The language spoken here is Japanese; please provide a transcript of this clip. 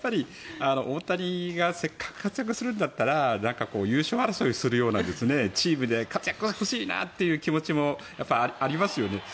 大谷がせっかく活躍するんだったら優勝争いするようなチームで活躍してほしいなという気持ちもやっぱりありますよね。